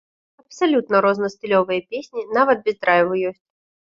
Абсалютна рознастылёвыя песні, нават без драйву ёсць.